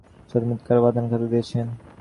নিসার আলি সাহেব আমাকে চমৎকার বাঁধান খাতা দিয়েছেন।